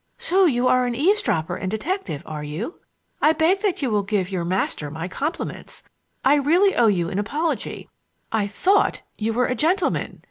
"So you are an eavesdropper and detective, are you? I beg that you will give your master my compliments! I really owe you an apology; I thought you were a gentleman!"